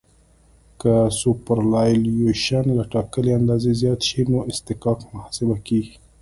که سوپرایلیویشن له ټاکلې اندازې زیات شي نو اصطکاک محاسبه کیږي